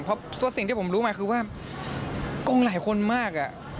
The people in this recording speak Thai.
เพราะสิ่งที่ผมรู้มาคือว่าโกงหลายคนมาก